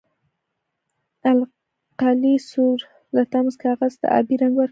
القلي سور لتمس کاغذ ته آبي رنګ ورکوي.